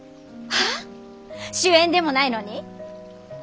主演でもないのに？